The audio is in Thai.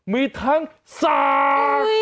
มีทั้งสาก